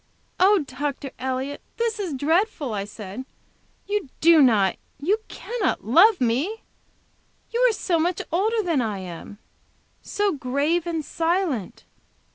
"Oh, Dr. Elliott this is dreadful!" I said. "You do not, you cannot love me! You are so much older than I am! So grave and silent!